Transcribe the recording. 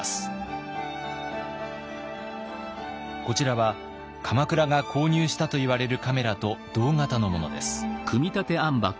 こちらは鎌倉が購入したといわれるカメラと同型のものです。